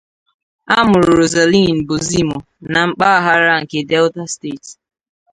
Amụrụ Rosaline Bozimo na mpaghara nke Delta State.